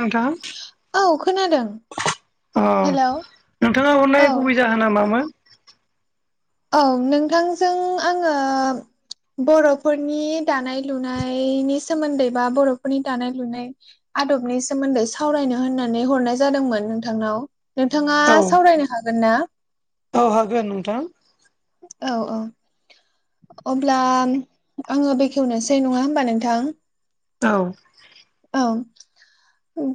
नोंथां औ खोनादों अ हेलौ 'नोंथाङा औ हरननाय गुबै जाहोनामामोन औ नोंथांजों आङो बर'फोरनि दानाय लुनायनि सोमोन्दै बा बर'फोरनि दानाय लुनाय आदबनि सोमोन्दै सावरायनो होननानै हरनाय जादोंमोन नोंथांनाव नोंथाङा औ सावरायनो हागोन ना औ हागोन नोंथां औ औ अब्ला आङो बेखेवनोसै नङा होमबा नोंथां औ औ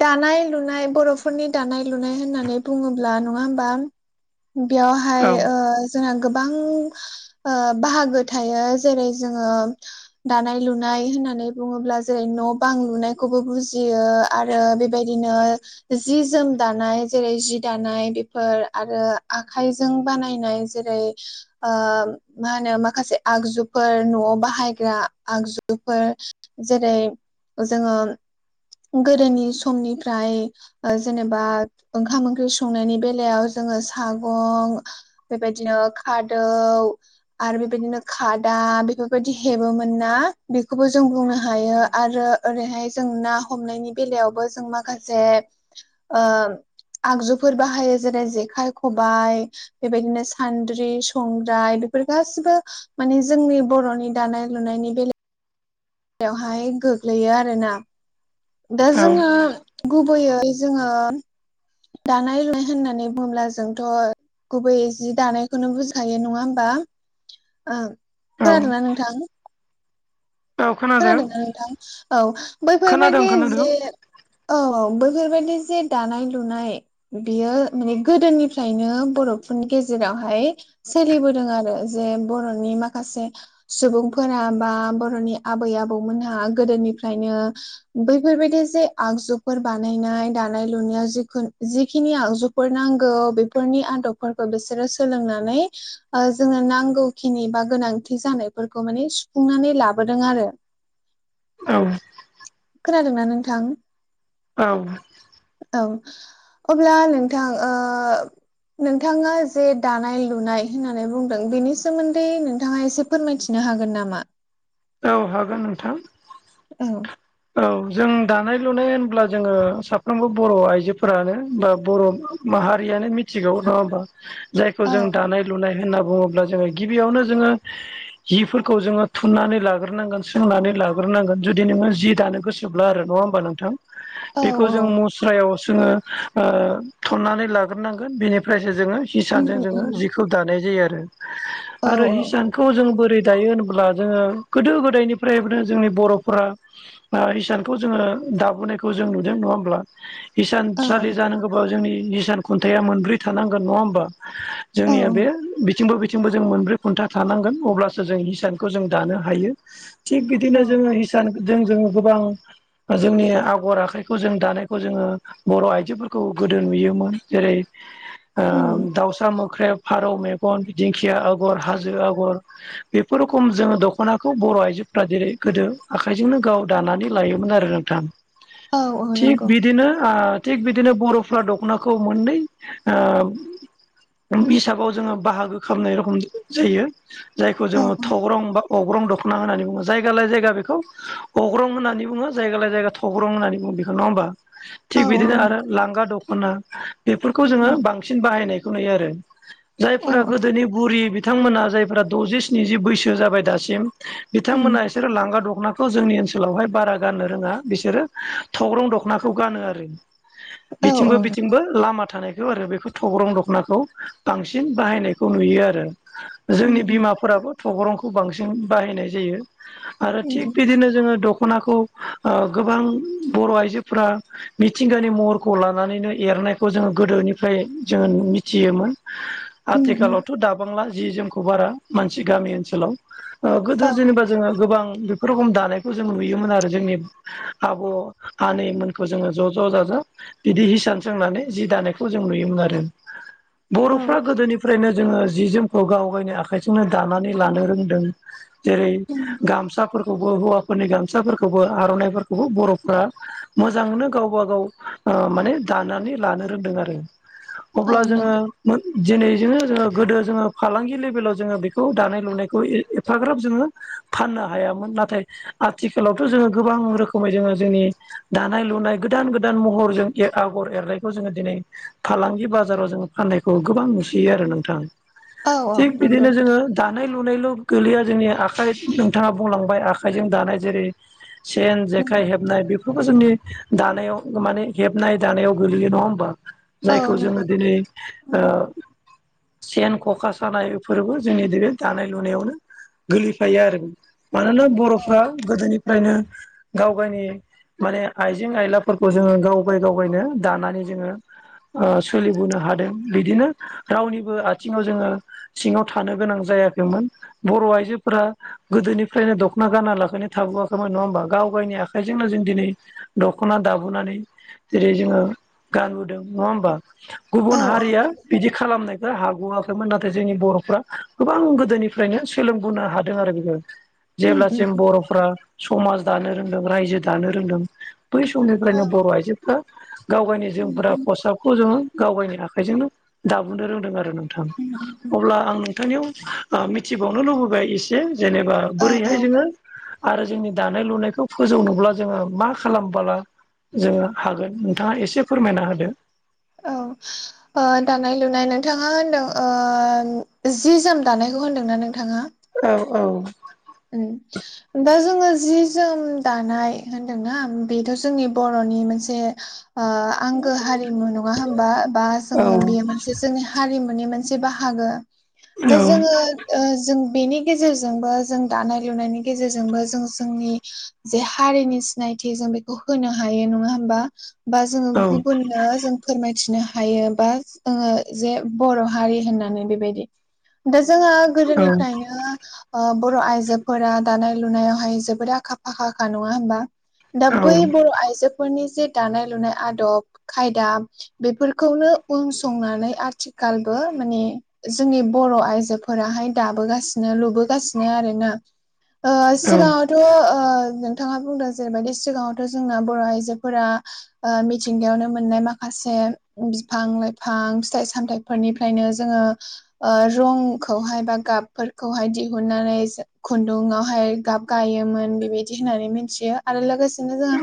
दानाय लुनाय बर'फोरनि दानाय लुनाय होननानै बुङोब्ला नङा होमबा बेहाय औ ओ जोंहा गोबां बाहागो थायो जेरै जोङो दानाय लुनाय होननानै बुङोब्ला जेरै न' बां लुनायखौबो बुजियो आरो बेबायदिनो जि जोम दानाय जेरै जि दानाय बेफोर आरो आखाइजों बानायनाय जेरैे ओ मा होनो माखासे आगजुफोर न'आव बाहायग्रा आगजुफोर जेरै जोङो गोदोनि समनिफ्राय जेनेबा ओंखाम ओंख्रि संनायनि बेलायाव जोङो सागं बेबायदिनो खादौ आरो बेबायदिनो खादा बेफोरबायदि हेबोन ना बेखौबो जों बुंनो हायो आरो ओरैहाय जों ना हमनायनि बेलायावबो जों माखासे ओ आगजुफोर बाहायो जेरै जेखाइ खबाइ बेबायदिनो सान्द्रि संग्राय बेफोर गासिबो माने जोंनि बर'नि दानाय लुनायनि बेलायाव बेवहाय गोग्लैयो आरो ना दा जोङो औ गुबैयै जोङो दानाय लुनाय होननानै बुङोब्ला जोंथ' गुबैयै जि दानायखौनो बुजिखायो नङा होमबा औ खोदोंना नोंथां खोनादों खोनादोंना नोंथां औ बैफोरबायदि खोनादों खोनादों जे औ बैफोरबायाददि जे दानाय लुनाय बियो माने गोदोनिफ्रायनो बर'फोरनि गेजेरावहाय सोलिबोदों आरो जे बर'नि माखासे सुबुंफोरा बा बर'नि आबै आबौमोनहा गोदोनिफ्रायनो बैफोरबायदि जे आगजुफोर बानायनाय दानाय लुनायाव जिखुन जिखिनि आगजु फोर नांगौ बेफोरनि आदबफोरखौ बिसोरो सोलोंनानै जोंनो नांगौखिनि बा गोनांथि जानायफोरखौ माने सुफुंनानै लाबोदों आरो औ खोनादोंना नोंथां औ औ अब्ला नोंथां ओ नोंथाङा जे दानाय लुनाय होननानै बुंदों बेनि सोमोन्दै नोंथाङा एसे फोरमायथिनो हागोन नामा औ हागोन नोंथां औ। औ जों दानाय लुनाय होनब्ला जोङो साफ्रोमबो बर' आइजोफोरानो बा बर' माहारियानो मिथिगौ नङा होमबा जायखौ औ जों दानाय लुनाय होनना बुङोब्ला जोङो गिबियावनो जोङो जिफोरखौ जोङो थुननानै लाग्रोनांगोन सोंनानै लाग्रोनांगोन जुदि नोङो जि दानो गोसोब्ला आरो नङा होमबा नोंथां औ बेखौ औ जों मस। खुस्रायाव जोङो थन्नानै लाग्रोनांगोन बेनिफ्रायसो जोङो उम हिसानजों जोङ। उम बे खौ दानाय जायो आरो औ आरो हिसान। खौ जों बोरै दायो होन्ला जोङो गोदो गोदायनिफ्राय जोंनि बर'फोरा। हिसानखौ जोङो दाबोनायखौ जों नुदों नङा होमब्ला औ हिसानसालि जानांगौ। जोंनि निसान खन्थाइया मोनब्रै थानांगोन नङा होमबा औ जोंनिया बे। बिथिंबो बिथिंबो जों मोनब्रै खुन्था थानांगोन अब्लासो जों हिसानखौ जों दानो हायो। थिग औ बिदिनो जोङो हिसानजों जोङो गोबां जोंनि आगर आखाइखौ जों दानायखौ जोङो बर' आइजोफोरखौ गोदो नुयोमोन जेरै उम दाउस्रा मो ख्रेब, फारौ मेगन, दिंखिया आगर, हाजो आगर। बेफोर रखम जोङो दख'नाखौ बर' आइजोफ्रा जेरै गोदो आखाइजोंनो गाव दानानै लायोमोन आरो नोंथां। औ औ थिग नंगौ बिदिनो आ थिग बिदिनो बर'फ्रा दख'नाखौ मोननै ओ हिसाबाव जोङो बाहागो खालामनाय रखम जायो। जायखौ औ जोङो थग्रं बा अग्रं दखना होननानै बुङो जायगा लाय जायगा बेखौ अग्रं होननानै बुङो जायगा लाय जायगा थग्रं होननानै बुङो बेखौ नङा होमबा औ थिग औ बिदिनो आरो नंगौ लांगा दख होनना बेफोरखौ जोङो उम बांसिन बाहायनायखौ नुयो आरो औ जायफोरा औ गोदोनि बुरि बि थांमोना जायफ्रा द'जि स्निजि बैसो जाबाय दासिम उम बिथांमोना बिसोर लांगा दखनाखौ जोंनि ओनसोलावहाय बारा गाननो रोङा बिसोरो थग्रं दख'नाखौ गानो आरो। औ बिथिंबो औ नंगौ बिथिंबो लामा थानायखौ आरो बेखौ थग्रं दख'नाखौ बांसिन बाहायनायखौ नुयो आरो। उम जोंनि उम बिमाफोराबो थग्रंखौ बांसिन बाहायनाय जायो आरो उम थिग उम बिदिनो जोङो दख'नाखौ ओ गोबां बर' आइजोफ्रा मिथिंगानि महरखौ लानानैनो एरनायखौ जोङो गोदोनिफ्राय जोङो मिथियोमोन। उम उम आथिखालावथ' दाबांला जि जोमखौ बारा मानसि गामि ओनसोलाव। गोदो औ जेनेबा जोङो गोबां बेफोर रोखोम दानाय खौ जों नुयोमोन आरो जोंनि आब' आनैमोनखौ जोङो ज' ज' जाजा बिदि हिसान सोंनानै जि दानायखौ जों नुयोमोन आरो। औ बर'फ्रा गोदोनिफ्रायनो जोङो जि जोमखौ गाव गायनो आखाइजोंनो दानानै लानो रोंदों। जेरै उम गामसाफोरखौबो हौवा फोरनि गामसाफोरखौबो आर'नाइफोरखौबो बर'फोरा मोजांनो गावबा गाव माने दानानै लानो रोंदों आरो। औ अब्ला जोङो। नंगौ दिनै जोङो गोदो जोङो फालांगि लेभेलाव जोङो बेखौ दानाय लुनायखौ ए एफाग्राब जोङो फाननो हायामोन नाथाय आथिखालावथ' जोङो गोबां रोखोमै जोङो जोंनि दानाय लुनाय गोदान गोदान महरजों आगर एरनायखौ जोङो दिनै फालांगि बाजाराव जोङो फाननायखौ गोबां नुसियो आरो नोंथां औ औ थिग नंगौ बिदिनो जोङो नोंथां दानाय लुनायल' गोलैया जोंनि आखाइ नोंथाङा बुंलांबाय आखाइजों दानाय जेरै सेन, उम जेखाय हेब हबनाय बेफोरखौ जोंनि दानायाव माने हेबनाय दानायाव गोलैयो नङा होमबा। औ जायखौ जोङो नंगौ दिनै ओ उम सेन, ख'खा सानाय इफोरबो जोंनि इदिनो दानाय लुनायावनो गोलैफायो आरो मानोना औ बर'फ्रा गोदोनिफ्रायनो गाव गायनि माने आइजें आयलाफोरखौ जोङो गावगाय गावगायनो दानानै जोङो ओ सोलिबोनो हादों। बिदिनो रावनिबो आथिङाव जोङो सिङाव थानो गोनां जायाखैमोन बर' आइजोफोरा गोदोनिफ्रायनो दख'ना गाना लाखैनो थाबोआखैमोन नङा होमबा गाव गायनि आखाइजोंनो जों दिनै दख'ना दाबोनानै जेरै जोङो गानबोदों नङा होमबा औ गुबुन हारिया बिदि खालामनाय बे हाग'आखैमोन नाथाय जोंनि बर'फ्रा गोबां गोदोनिफ्रायनो सोलोंबोनो हादों आरो [unintelligible] उम जेब्ला उम फ्रा समाज दानो रोंदों रायजो दानो रोंदों बै औ समनिफ्रायनो बर' आइजो दा गावगायनि उम जोमग्रा उम खसाबखौ जोङो गावगायनि आखाइजोंनो दाबोननो रोंदों आरो नोंथां औ अब्ला आं नोंथांनियाव मिथिबावनो लुबैबाय एसे जेनेबा औ बोरैहाय जोङो आरो जोंनि दानाय लुनायखौ फोजौनोब्ला जोङो मा खालामबोला जोङो हागोन नोंथाङा एसे फोरमायना होदो औ दानाय लुनाय नोंथाङा होनदों जि जोम दानायखौ होनदोंना नोंथाङा औ औ उम दा जोङो जि जोम दानाय होनदोंना बेथ' जोंनि बर'नि मोनसे आ आंगो हारिमु नङा होनबा बा औ जोङो बेयो मोनसे जोंनि हारिमुनि मोनसे बाहागो दा जोङो जों बेनि गेजेरजोंबो जों दानाय लुनायनि गेजेरजोंबो जों जोंनि जे हारिनि सिनायथि जों बे होनो हायो नङा होमबा बा जोङो औ गुबुन जों फोरमायथिनो हायो बा जोङो जे बर' हारि होननानै बेबायदि दा जोङो गोदोनिफ्रायनो बर' आइ जोफोरा दानाय लुनायावहाय जोबोद आखा फाखाखा नङा होनबा दा बै बर' आइजो फोरनि जे दानाय लुनाय आदब खायदा बेफोरखौनो उन संनानै आथिखालबो माने जोंनि बर' आइजोफोराहाय दाबोगासिनो लुबोगासिनो आरोना ओ औ सिगाङाव थ' नोंथाङा बुंदों जेरैबायदि सिगाङावथ' जोंना बर' आइजोफोरा मिथिंगायावनो मोननाय माखासे बिफां लाइफां फिथाइ सामथायाइफोरनिफ्रायनो जोङो ओ रंखौहाय बा गाबफोरखौहाय दिहुननानै खुन्दुंआवहाय गाब गायोमोन बेबायदि होननानै मिथियो आरो लोगोसेनो जों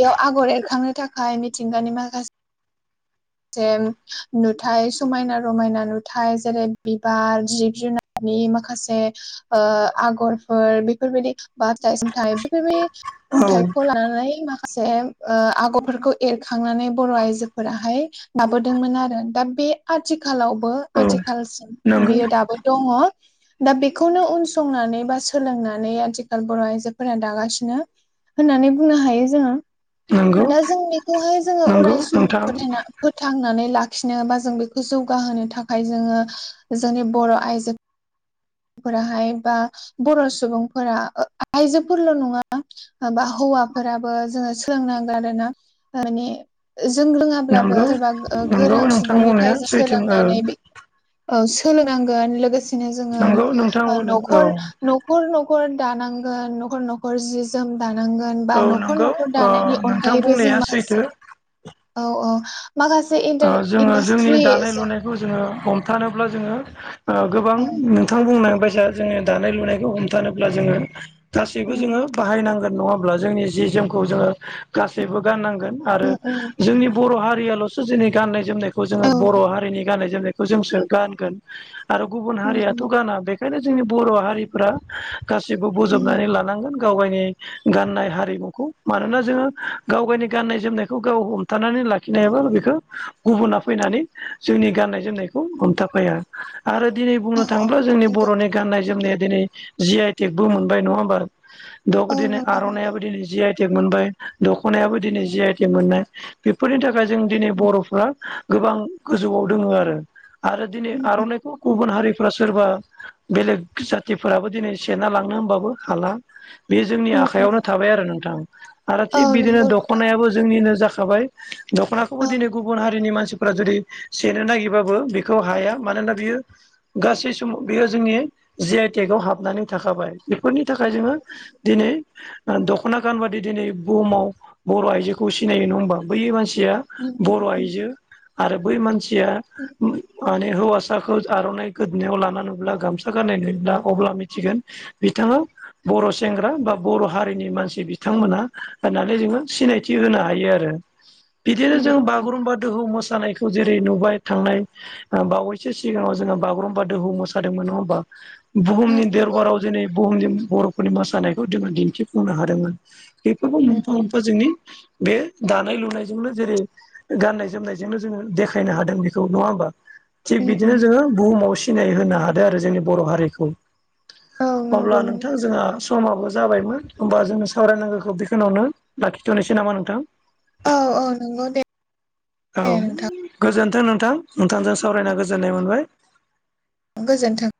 बेयाव आगर एरखांनो थाखाय मिथिंगानि माखासे से नुथाइ समायना रमायना नुथाय जेरै बिबार जिब जुनार नि माखासे आगरफोर बेफोरबायदि [unintelligible] बेफोरबायदि औ उन्थायाइखौ लानानै माखासे आगरफोरखौ एरखांनानै बर' आइजोफोराहाय लाबोदोंमोन आरो दा बे आथिखालावबो औ आथिखालसिम नंगौ बियो दाबो दङ दा बेखौनो उनसंनानै बा सोलोंनानै आथिखाल बर' आइजोफोरा दागासिनो होननानै बुंनो हायो जोङो नंगौ दा जों बेखौहाय जोङो नंगौ अराय सम नोंथां फोथायना फोथांनानै लाखिनोबा जों बेखौ जौगाहोनो थाखाय जोङो जोंनि बर' आइजो फोराहाय बा बर' सुबुंफोरा आइजोफोरल' नङा बा हौवाफोराबो जोङो सोलोंनांगोन आरोना मानानि जों रोङा अब्लाबो नंगौ सोरबा नंगौ गोरों नोंथां बुंनाया सुबुंनिफ्राय सैथो ओ सोलोंनानै औ सोलोंनांगोन लोगोसे नंगौ नोंथाङा बुंदों औ न'खर न'खर दानांगोन न'खर न'खर जि जोम दानांगोन बा औ न'खर नंगौ न'खर ओ दानायनि नोंथां अनगायैबो जों बुंनाया माखासे सैथो औ औ माखासे इन्डासट्रि बे खौ जोङो हमथानोब्ला जोङो। गोबां औ नोंथां बुंनांबायसा जोंङो दानाय लुनायखौ हमथानोब्ला जोंङो गासैबो जोङो उम बाहायनांगोन नङाब्ला जोंनि जि जोमखौ जोङो गासैबो गाननांगोन। आरो उम उम जोंनि बर' हारियाल'सो जोंनि गाननाय जोमनायखौ जोङो औ बर' हारिनि गाननाय जोमनाय खौ जोंसो गानगोन आरो गुबुन उम हारियाथ' उम गाना बेखायनो जोंनि बर' हारिफ्रा गासिबो उम बजबनानै लानांगोन गावबायनि गाननाय हारिमुखौ मानोना जोङो गाव गावनि गाननाय जोमनायखौ गाव हमथानानै लाखिनायाबो बेखौ बे गुबुना फैनानै जोंनि गाननाय जोमनायखौ हमथाफाया आरो दिनै औ बुंनो थाङोब्ला जोंनि बर'नि गाननाय-जोमनाया दिनै जि आइ टेकबो मोनबाय नङा होमबा? औ दखदिन नंगौ आर'नायाबो दिनो जियाय थेख आइक मोनबाय दख'नायाबो दिनै जि आइ टेक मोननाय बेफोरनि थाखाय जों दिनै बर'फ्रा गोबां गोजौआव दोङ आरो आरो दिनै आर'नाइखौ गुबुन हारिफ्रा सोरबा बेलेग जाथिफोराबो दिनै सेना लांनो होनबाबो हाला। बे जोंनि आखायावनो थाबाय आरो नोंथां। आरो औ थिग बिदिनो नंगौ नंगौ दख'नायाबो जोंनिनो जाखाबाय दख'नाखौबो औ दिनै गुबुन हारिनि मानसिफोरा जुदि सेनो नागिरबाबो बेखौ हाया मानोना बियो गासै समाव बेयो जोंनि जि आइ टेक आव हाबनानै थाखाबाय। बेफोरनि थाखाय जोङो दिनै दख'ना गान बादि दिनै बुहुमाव बर' आइजोखौ सिनायो नङ हबा। बै मानसिया उम बर' उम आइजो आरो बै मानसिया माने हौवासाखौ आर'नाइ गोदोनायाव लाना नुब्ला गामसा गाननाय नुयोब्ला अब्ला मिथिगोन बिथाङा बर' सेंग्रा बा बर' हारिनि मानसि बिथांमोनहा। होननानै जोंङो सिनायथि होनो हायो आरो बिदि उम औ बागुरुम्बा दोहौ मोसानायखौ जेरै नुबाय थांनाय बावैसो सिगाङाव जोङो बागुरुम्बा दोहौ मोसादोंमोन नङा होमबा नंगौ नोंथां औ उम औ बुहुमनि नंगौ देरबाराव दिनै बुहुमनि बर'फोरनि मोसानायखौ जोङो दिन्थिफुंनो हादोंमोन। बेफोरखौ उम मोनफा-मोनफा जोंनि बे दानाय लुनायजोंनो जेरै गाननाय जोमनायजोंनो जोङो देखायनो हादों बेखौ नङा होमबा। थिग उम उम बिदिनो जोङो बुहुमाव सिनाय होनो हादों आरो जोंनि बर' हारिखौ। औ अब्ला नंगौ नोंथां जोंहा समाबो जाबायमोन होमबा जोंङो सावरायनांगौखौ बेखावनो लाखिथ'नोसै नामा नोंथां? औ औ नोंगौ दे। औ नोंथां गोजोनथों नोंथां नोंथांजों सावरायना गोजोननाय मोनबाय। गोजोन्थों।